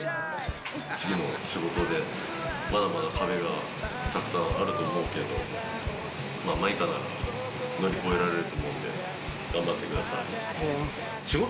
次の仕事で壁が沢山あると思うけど、舞夏なら乗り超えられると思うので頑張ってください。